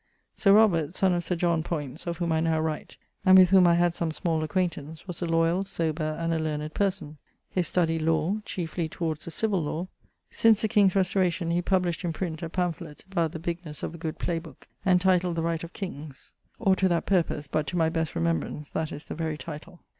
Sir Robert, son of Sir John, Poyntz of whom I now write, and with whom I had some small acquaintance, was a loyall, sober, and a learned person. His study, law; chiefly towards the Civill Lawe. Since the king's restauration he published in print, a pamphlet, about the bignesse of a good play booke, entitled, The Right of Kings (or to that purpose; but to my best remembrance, that is the very title).